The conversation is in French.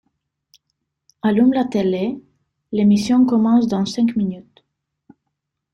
Allume la télé, l'émission commence dans cinq minutes.